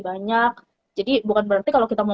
banyak jadi bukan berarti kalau kita mau